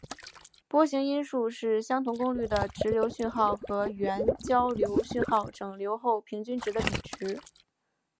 波形因数是相同功率的直流讯号和原交流讯号整流后平均值的比值。